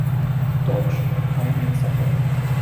Dodge, a pioneer settler.